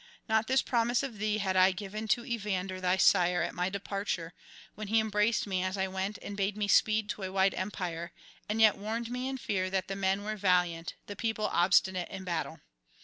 Not this promise of thee had I given to Evander thy sire at my departure, when he embraced me as I went and bade me speed to a wide empire, and yet warned me in fear that the men were valiant, the people obstinate in battle.